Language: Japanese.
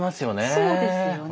そうですよね。